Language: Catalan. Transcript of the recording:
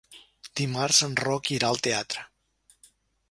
Dimarts en Roc irà al teatre.